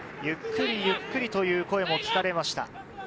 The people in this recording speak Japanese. ゆっくりゆっくりという声も聞かれました。